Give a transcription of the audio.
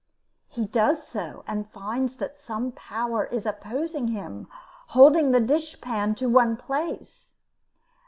He does so, and finds that some power is opposing him, holding the dishpan to one place.